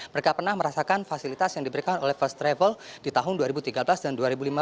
mereka pernah merasakan fasilitas yang diberikan oleh first travel di tahun dua ribu tiga belas dan dua ribu lima belas